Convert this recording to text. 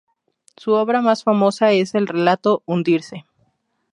Su obra más famosa es el relato "Hundirse".